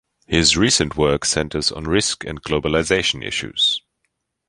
His recent work centers on risk and globalization issues.